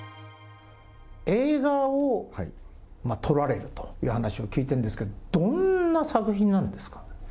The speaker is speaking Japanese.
映画を撮られるという話を聞いているんですけど、どんな作品なんですか？